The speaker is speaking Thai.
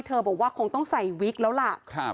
บอกว่าคงต้องใส่วิกแล้วล่ะ